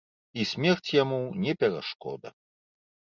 І смерць яму не перашкода.